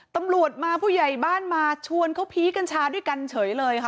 ตำรวจมาผู้ใหญ่บ้านมาชวนเขาพีคกัญชาด้วยกันเฉยเลยค่ะ